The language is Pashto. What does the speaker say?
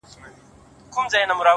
د زړه جيب كي يې ساتم انځورونه گلابونه